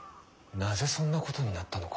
なぜそんなことになったのか。